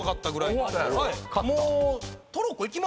もう。